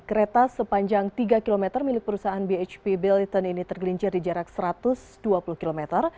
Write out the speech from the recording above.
kereta sepanjang tiga km milik perusahaan bhp billiton ini tergelincir di jarak satu ratus dua puluh km